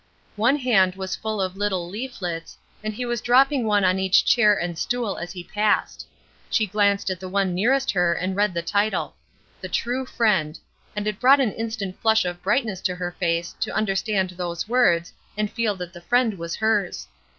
One hand was full of little leaflets, and he was dropping one on each chair and stool as he passed. She glanced at the one nearest her and read the title: "The True Friend," and it brought an instant flush of brightness to her face to understand those words and feel that the Friend was hers.